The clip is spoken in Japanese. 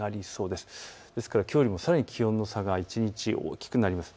ですからきょうよりも気温の差が一日大きくなります。